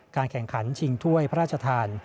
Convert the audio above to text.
แข่งขันชิงถ้วยพระราชทาน